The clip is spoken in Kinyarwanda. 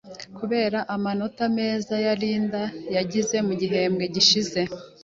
Kubera amanota meza ya Linda yagize mu gihembwe gishize.